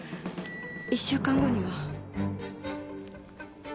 １週間後には。